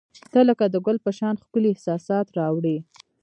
• ته لکه د ګل په شان ښکلي احساسات راوړي.